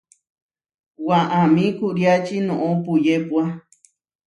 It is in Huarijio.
Waʼamí kuʼriáči noʼó puyépua.